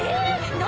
何？